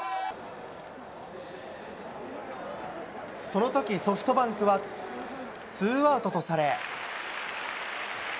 そのとき、ソフトバンクはツーアウトとされ。